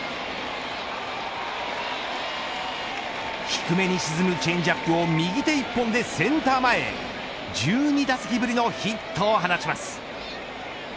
低めに沈むチェンジアップを右手一本でセンター前へ１２打席ぶりのヒットを放ちます。